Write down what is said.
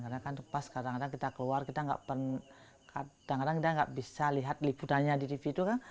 karena kan pas kita keluar kita gak pernah kadang kadang kita gak bisa lihat liputannya di tv itu kan